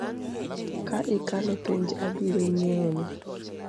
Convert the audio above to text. Ka ikalo penj abiro nyiewoni .